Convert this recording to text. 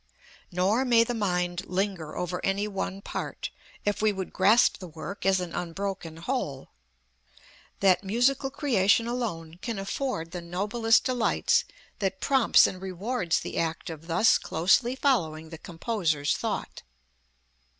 Nor may the mind linger over any one part, if we would grasp the work as an unbroken whole. That musical creation alone can afford the noblest delights that prompts and rewards the act of thus closely following the composer's thought.